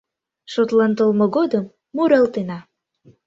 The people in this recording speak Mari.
Шотлан толмо годым муралтена.